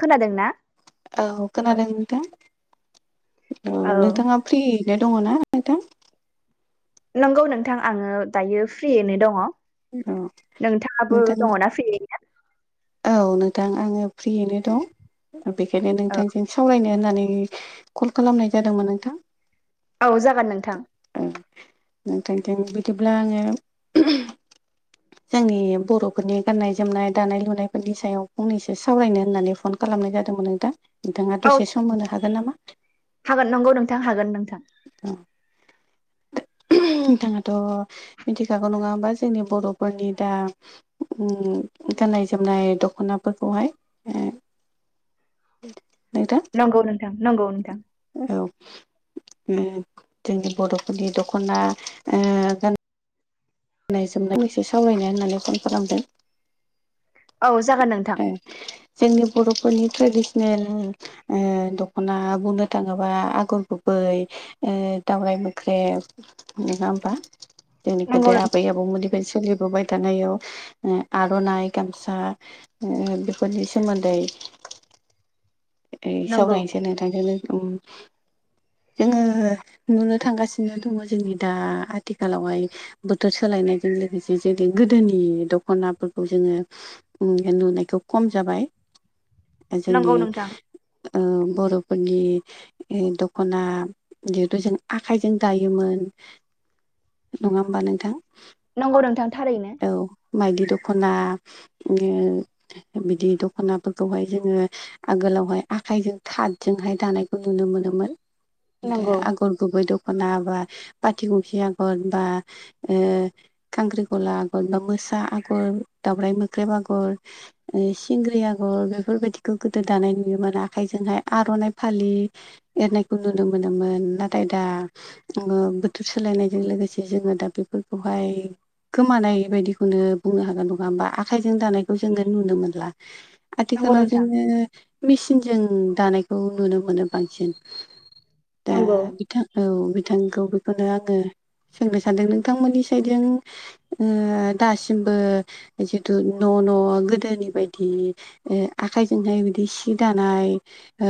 खोनादों ना औ खोनादों नोंथां औ नोंथाङा फ्रियैनो दङना नोंथां नंगौ नोंथां आङो दायो फ्रियैनो दङ औ नोंथाङाबो नोंथां दङना फ्रियै औ नोंथां आङो फ्रियैनो दं बेखायनो औ नोंथांजों सावरायनो होननानै कल खालामनाय जादोंमोन नोंथां औ जागोन नोंथां औ नोंथां थों बिदिब्ला आङो जोंनि बर'फोरनि गाननाय जोमनाय दानाय लुनायफोरनि सायाव फंनैसो सावरायनो होननानै फन खालामनाय जादोंमोन नोंथां नोंथाङा औ दसे सम होनो हागोन नामा हागोन नंगौ नोंथां हागोन नोंथां औ नोंथाङाथ मिथिखागौ नङा होमबा जोंनि बर'फोरनि दा गाननाय जोमनाय दखनाफोरखौहाय ओ नोंथां नंगौ नोंथां नंगौ नोंथां औ जोंनि बर'फोरनि दखना ओ गननाय जोमनाय एसे सावरायनो होननानै फन खालामदों औ जागोन नोंथां ओ जोंनि बर'फोरनि ट्रेडिसनेल ओ दखना बुंनो थाङोबा आगर गुबै ओ दावरायाइ मोख्रे नङा होमबा जोंनि नंगौ गोदो आबौ मोननिफ्रायनो सोलिबोबाय थानायाव आरननाइ गामसा ओ बेफोरनि सोमोन्दै [inaudible] ओ नंगौ सावरायनोसै नोंथांजों जोङो नुनो थांगासिनो दङ जोंनि दा आथिखालावहाय बो थोर सोलायनायजों लोगोसे जेरै गोदोनि दखनाफोरखौ जोङो नुनायखौ खम जाबाय जोंनि नंगौ नोंथां ओ बर'फोरनि दखना जिहेथु जों आखायजों दायोमोन नङा होमबा नोंथां नंगौ नोंथां थारैनो मायदि दखना बिदि दखनाफोरखौहाय जोङो आगोलावहाय आखाइजों थादजोंहाय दानायखौ नुनो मोनोमोन नंगौ आगर गुबै दखना बा पाथि गखि आगर बा ओ खख्रिखला आगर बा मोसा आगर दावराय मोख्रेब आगर सिंग्रि आगर बेफोरबायाददिखौ गोदो दानाय नुयोमोन आखाइजोंहाय आरननाइ फालि एरनायखौ नुनो मोनोमोन नाथाय दा बोथोर सोलायनायजों लोगोसे जोङो दा बे फोरखौहाय गोमानाय बायदिखौनो बुंनो हागोन नङा होमबा आखाइजों दानायखौ जोङो नुनो मोनला नंगौ आथिखालाव नोंथां जोङो मेसिनजों दानायखौ नुनो मोनो बांसिन दा नंगौ बिथां औ बिथांखौ बेखौनो आङो सोंनो सानदों नोंथांमोननि साइदजों ओ दासिमबो जिदु न' न' गोदोनि बायदि ओ आखाइजोंहाय बिदि सि दानाय ओ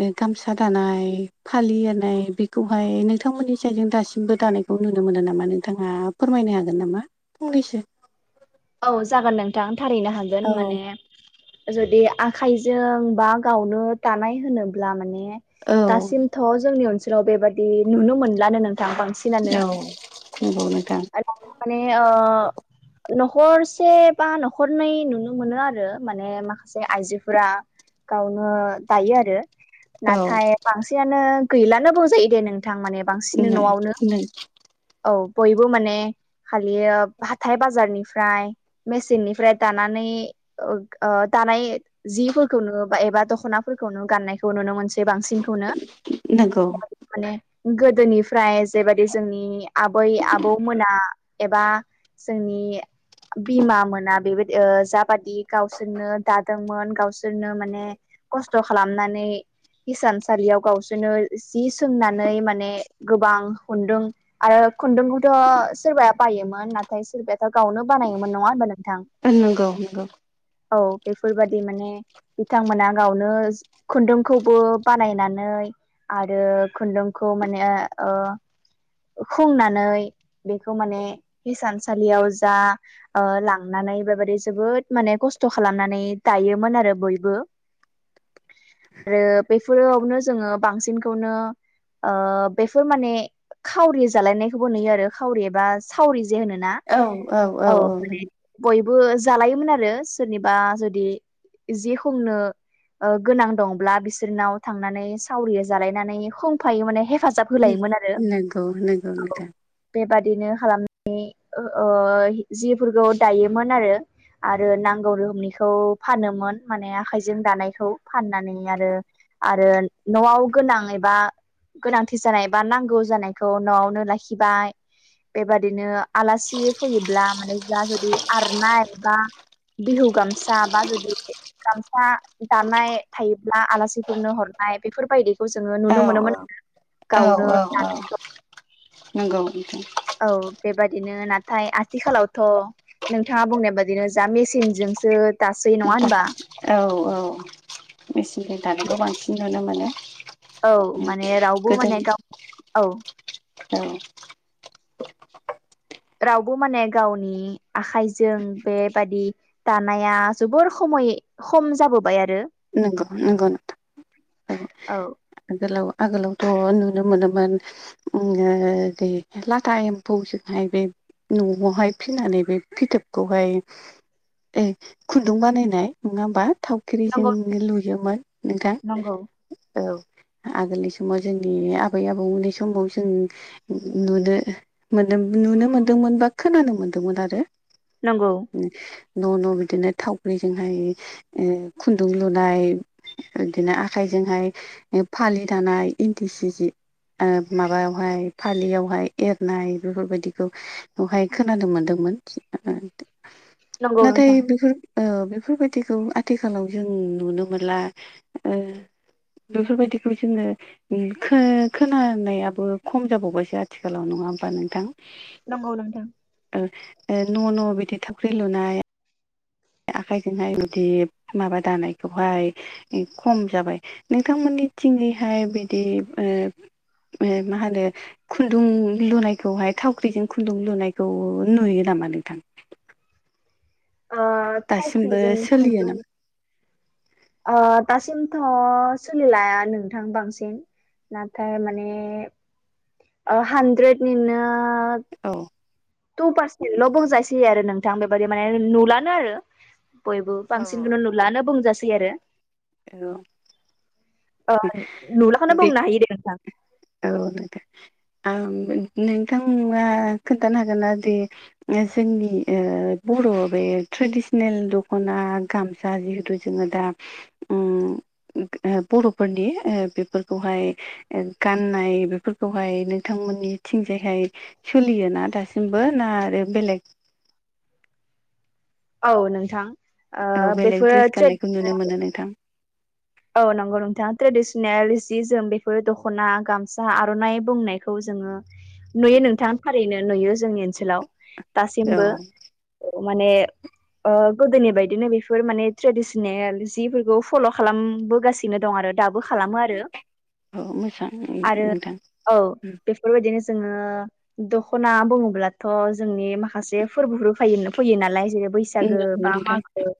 ओ गामसा दानाय फालि एरनाय बिखौहाय नोंथांमोननि साइदजों दासिमबो दानायखौ नुनो मोनो नामा? नोंथाङा फोरमायनो हागोन नामा फंनैसो? औ जागोन नोंथां थारैनो हागोन औ माने जुदि आखाइजों बा गावनो दानाय होनोब्ला माने औ दासिमथ' जोंनि ओनसोलाव बेबादि नुनो मोनलानो नों थां बांसिनानो औ नंगौ नोंथां आरो [unintelligible] ओ खरसे बा न'खरनै नुनो मोनो आरो माने माखासे आइजोफोरा गावनो दायो आरो। औ नाथाय बांसिनानो गैलानो बुंजायो दे नोंथां माने बांसिनो नो न'आवनो नो औ बयबो माने खालि ओ हाथाय बाजारनि फ्राय मेचिननिफ्राय दानानै [unintelligible] दानाय जिफोरखौनो बा एबा दख'नाफोरखौनो गाननाय खौ नुनो मोनै बांसिनखौनो नंगौ माने गोदोनि फ्राय जेबादि जोंनि आबै आबौ मोना एबा जोंनि बिमा मोना बेबायदि ओ जाबादि गावसोरनो दा दोंमोन गावसोरनो माने खस्थ' खालामनानै हिसानसालियाव गावसोरनो जि सोंनानै माने गोबां खुन्दुं आरो खुन्दुंखौथ' सोरबाया बायोमोन नाथाय सोरबायाथ' गावनो बानायोमोन नङा होनबा नोंथां? नंगौ नंगौ औ बेफोरबादि माने बिथांमोना गावनो खुन्दुंखौबो बानायनानै आरो खुन्दुंखौ माने ओ खुंनानै बेखौ माने हिसानसालियाव जा ओ लांनानै बेबायादि जोबोद माने खस्थ' खालामनानै दायोमोन आरो बयबो। रो बैफोरावनो जोङो बांसिनखौनो ओ बेफोर माने खावरि जालायनायखौबो नुयो आरो खावरि एबा सावरि जे होनोना। औ माने बयबो जालायोमोन आरो सोरनिबा जुदि जि खुंनो ओ गोनां दंब्ला बिसोरनाव थांनानै सावरि जालायनानै खोंफायो माने हेफाजाब होलायोमोन आरो नंगौ नंगौ नोंथां। बेबादिनो खालामनानि ओ हि जिफोरखौ दायोमोन आरो। आरो नांगौ रोखोमनिखौ फानोमोन माने आखाइजों दानायखौ फाननानै आरो आरो न'आव गोनां एबा गोनांथि जानाय बा नांगौ जानायखौ न'आवनो लाखिबाय बेबादिनो आलास सि फैयोब्ला माने जा जुदि आरनाय बा बिहु गामसा बा जुदि गामसा दानाय थायोब्ला आलासिफोरनो हरनाय बेफोरबायदिखौ जोङो औ नुनो मोनोमोन। औ गावनो औ औ नोंगौ नोंथां। औ बेबादिनो नाथाय आथिखालावथ' नोंथाङा बुंनाय बादिनो जा मेसिनजोंसो दासै नङा होनबा नोंथां औ औ मेचिनजों दानायखौ बांसिन नुनो मोनो। औ उम माने रावबो माने गोदोनि गाव औ औ। रावबो माने गावनि आखाइजों बेबादि दानाया जोबोर खमय खम जाबोबाय आरो। नोंगौ नोंगौ नोंथा औ आगोलाव आगोलावथ' नुनो मोनोमोन [unintelligible] दे लाथा एम्फौ जोंहाय बै न'आवहाय फिनानै बे फिथोबखौहाय ए खुन्दुं बानायनाय नङा होमबा थावख्रिजों नंगौ लुयोमोन नंगौ नोंथां औ आगोलनि समाव जोंनि आबै आबौमोननि समाव जों नुदो मोन नुनो मोनदोंमोन बा खोनानो मोनदोंमोन आरो नंगौ न' न' बिदिनो थावग्रिजोंहाय खुन्दुं लुनाय बिदिनो आखाइजोंहाय फालि दानाय इन्दि सि जि माबायावहाय फालियावहाय एरनाय बेफोरबायदिखौ बेवहाय खोनानो मोनदोंमोन नंगौ नाथाय नोंथां बेफोर ओ बेफोरबायदिखौ आथिखालाव जों नुनो मोनला बेफोरबायदिखौ जोनो खो खोनानायाबो खम जाबावबासो आथिखालाव नङा होमबा नोंथां नंगौ नोंथां न' न' बिदि थावख्रि लुनाय आखाइजोंहाय जुदि माबा दानायखौहाय खम जाबाय नोंथांमोननि थंङैहाय बिदि ओ ओ मा होनो खुन्दुं लुनायखौहाय थावख्रिजों खुन्दुं लुनायखौ नुयो नामा नोंथां ओ दासिमबो थावख्रिजों सोलियो खुन्दुं नामा आ दासिमथ सोलिलाया नोंथां बांसिन नाथाय माने हानद्रेदनिनो औ टु पारसेन्टल बुंजायसै आरो नोंथां बेबायादि माने नुलानो आरो बयबो औ बांसिनखौनो नुलानो बुंजासै आरो औ नुलाखौनो बे बुंनो हायो दे नोंथां औ नोथां आं नोंथाङा खोन्थानो हागोनना दि जोंनि ओ बर' बे ट्रेडिसनेल दखना गाम सा जिहथु जोङो दा उम बर'फोरनि बेफोरखौहाय गाननाय बेफोरखौहाय नोंथांमोननिथिंजायहाय सोलियोना दासिमबो ना आरो बेलेग औ नोंथां ओ औ बेलेग बेफोरो ड्रेस ट्रेड गान्नायखौ नुनो मोनो नोंथां औ नंगौ नोंथाङा ट्रेडिसनेल जि जोम बेफोर दखना गामसा आरननाइ बुंनायखौ जोङो नुयो नोंथाङा थारैनो नुयो जोंनि ओनसोलाव औ दासिमबो माने गोदोनि बायदिनो बेफोर माने ट्रेडिसनेल जिफोरखौ फल खालाम बोगासिनो दं आरो दाबो खालामो आरो औ मोजां आरो नोंथां औ बेफोरबायदिनो जोङो दखना बुङोब्लाथ जोंनि माखासे फोरबोफोर फायो फैयो नालाय जेरै बै सागो नंगौ बा नोंथां मागो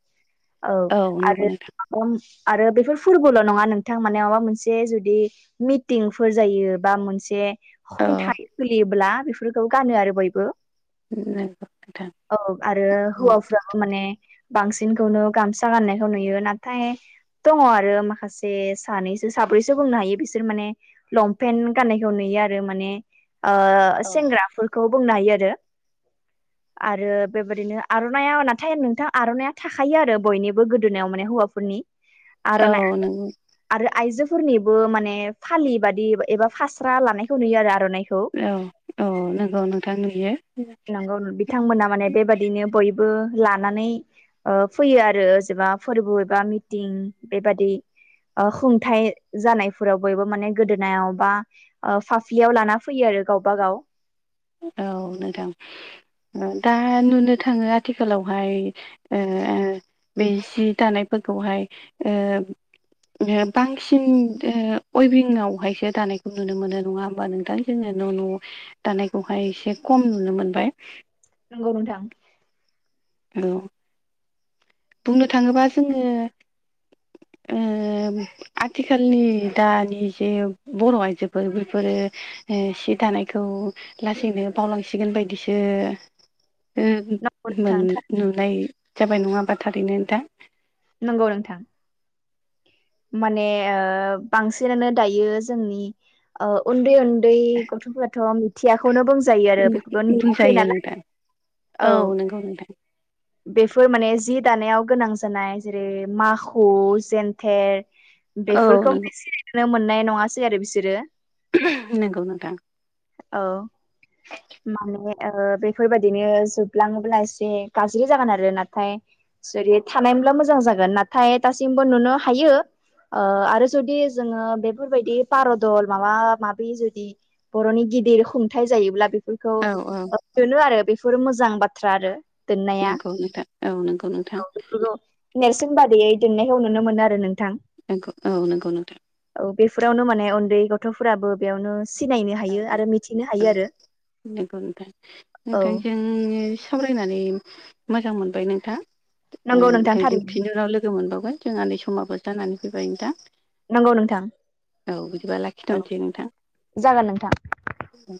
ओ औ नंगौ नोंथां आरो [unintelligible] फोरबोल नङा नोंथां माने माबा मोनसे जुदि मिटिंफोर जायो बा मोनसे औ खुंथाइ सोलियोब्ला बेफोरखौ गानो आरो बयबो [unintelligible] औ आरो हौवाफ्राबो माने बांसिनखौनो गामसा गाननायखौ नुयो नाथाय दङ आरो माखासे सानैसो साब्रैसो बुंनो हायो बिसोर माने लंपेन्ट गाननायखौ नुयो आरो माने औ सेंग्रा खौ बुंनो हायो आरो आरो बेबायदिनो आर'नाइया नाथाय नोंथां आर'नाइया थाखायो आरो बयनिबो गोदोनायाव माने हौवाफोरनि आर'नाइ औ नंगौ आरो आइजोफोरनिबो माने फालि बादि एबा फास्रा लानायखौ नुयो आरो आर'नाइ खौ औ औ नंगौ नोंथां नुयो नंगौ बिथांमोना माने बेबायदिनो बयबो लानानै फैयो आरो जेनेबा फोरबो एबा मिटिं बेबादि खुंथाय जानायफोराव बयबो माने गोदोनायाव बा फाफ्लियाव लाना फैयो आरो गावबा गाव औ नोंथां दा नुनो थाङो आथिखालावहाय बे जि दानायफोरखौहाय बांसिन उइभिंआवहायसो दानायखौ नुनो मोनो नङा होमबा नोंथां जोङो न' न' दानायखौहाय एसे खम नुनो मोनबाय नंगौ नोंथां औ बुंनो थाङोबा जोङो ओम आथिखालनि दानि जे बर' आइजोफोर बेफोरो ओ सि दानायखौ लासैनो बावलांसिगोन बायदिसो ओ नंगौ मोन नोंथां नुनाय जाबाय नङा होमबा थारैनो नोंथां नंगौ नोंथां माने ओ बांसिनानो दायो जोंनि ओ उन्दै उन्दै गथ'फोराथ' मिथियाखौनो बुंजायो आरो बेफोरखौ नुवाखै बुंजायो नालाय नोंथां औ नंगौ नोंथां बेफोर माने जि दानायाव गोनां जानाय जेरै माखु जेन थेर औ बेफोरखौ नंगौ सिनायनो मोननाय नङासै आरो बिसोरो नंगौ नोंथां औ माने ओ बेफोरबायदिनो जोबलाङोब्ला एसे गाज्रि जागोन आरो नाथाय जेरै थानायमोनब्ला मोजां जागोन नाथाय दासिमबो नुनो हायो ओ आरो जुदि जोङो बेफोरबायदि बारदल माबा माबि जुदि बर'नि गिदिर खुंथाइ जायोब्ला बेफोरखौ औ औ मोनो आरो बेफोर मोजां बाथ्रा आरो दोननाया नंगौ नोंथां औ नंगौ नोंथां नेरसोन बादियै दोननायखौ नुनो मोनो आरो नोंथां नंगौ औ नंगौ नोंथां औ बेफोरावनो माने उन्दै गथ'फोराबो बेयावनो सिनायनो औ हायो आरो मिथिनो औ हायो आरो औ उम सावरायनानै मोजां मोनबाय नोंथां नंगौ नोंथां थारैनो बिनि उनाव लोगो मोनबावगोन जोंहा नै समाबो जानानै फैबाय नोंथां नंगौ नोंथां औ बिदिबा औ लाखिथ'नोसै जागोन नोंथां उ